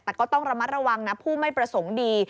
แต่ก็ต้องระมัดระวังนะผู้ไม่ประสงค์ดี